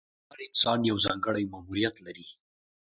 هر انسان یو ځانګړی ماموریت لري.